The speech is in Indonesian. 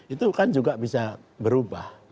itu kan juga bisa berubah